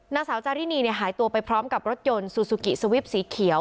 นางสาวจารินีหายตัวไปพร้อมกับรถยนต์ซูซูกิสวิปสีเขียว